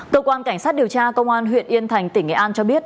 cơ quan cảnh sát điều tra công an huyện yên thành tỉnh nghệ an cho biết